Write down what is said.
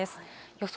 予想